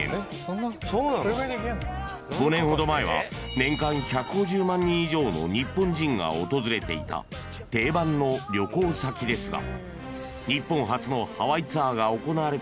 ［５年ほど前は年間１５０万人以上の日本人が訪れていた定番の旅行先ですが］